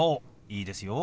いいですよ。